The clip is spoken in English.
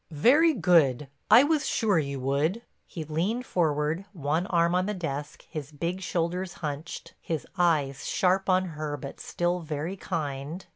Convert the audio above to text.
"Very good. I was sure you would." He leaned forward, one arm on the desk, his big shoulders hunched, his eyes sharp on her but still very kind.